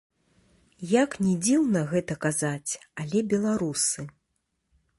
Як ні дзіўна гэта казаць, але беларусы.